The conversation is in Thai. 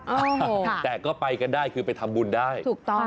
อ่าแต่ก็ไปกันได้คือไปทำบุญได้ถูกต้อง